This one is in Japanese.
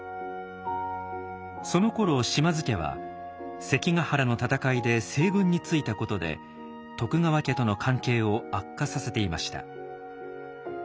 そのころ島津家は関ヶ原の戦いで西軍についたことで徳川家との関係を悪化させていました。